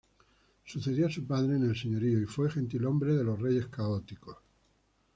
Sucedió a su padre en el señorío y fue gentilhombre de los Reyes Católicos.